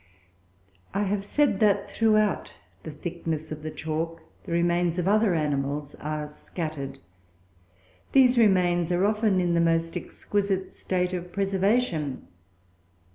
I have said that throughout the thickness of the chalk the remains of other animals are scattered. These remains are often in the most exquisite state of preservation.